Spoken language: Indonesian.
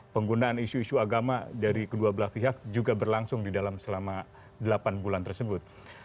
penggunaan isu isu agama dari kedua belah pihak juga berlangsung di dalam selama delapan bulan tersebut